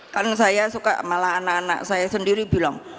kalau saya suka malah anak anak saya sendiri bilang